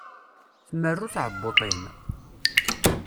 Tmerru tɛebbuḍt-im?